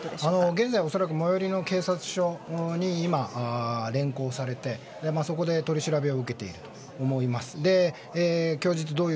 現在、恐らく最寄りの警察署に今、連行されてそこで取り調べを受けていると思います。